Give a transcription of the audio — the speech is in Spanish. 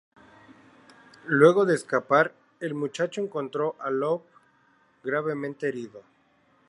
Luego de escapar, el muchacho encontró a Lowe gravemente herido.